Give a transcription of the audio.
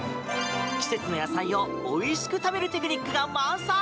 季節の野菜をおいしく食べるテクニックが満載！